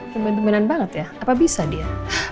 temenan temanan banget ya apa bisa dia